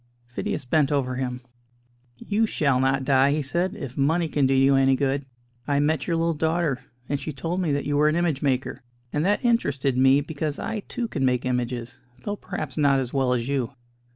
Phidias bent over him. "You shall not die," he said, "if money can do you any good. I met your little daughter, and she told me that you were an image maker; and that interested me, because I, too, can make images, though perhaps not as well as you.